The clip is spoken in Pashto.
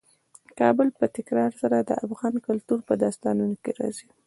کابل په تکرار سره د افغان کلتور په داستانونو کې راځي.